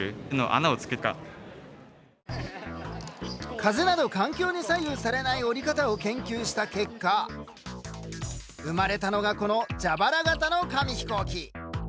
風など環境に左右されない折り方を研究した結果生まれたのがこのジャバラ型の紙飛行機。